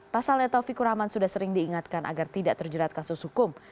pasalnya taufikur rahman sudah sering diingatkan agar tidak terjerat kasus hukum